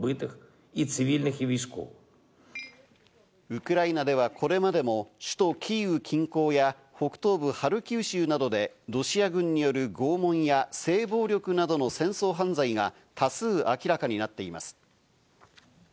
ウクライナではこれまでも首都キーウ近郊や、北東部ハルキウ州などで、ロシア軍による拷問や性暴力などの戦争犯罪が多数明らかになっています。